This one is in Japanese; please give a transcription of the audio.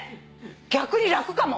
逆に楽かも。